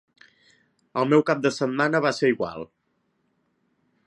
El meu cap de setmana va ser igual.